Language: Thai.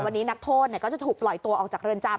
วันนี้นักโทษก็จะถูกปล่อยตัวออกจากเรือนจำ